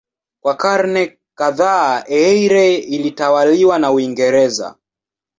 Kwa karne kadhaa Eire ilitawaliwa na Uingereza.